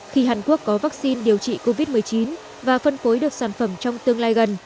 khi hàn quốc có vaccine điều trị covid một mươi chín và phân phối được sản phẩm trong tương lai gần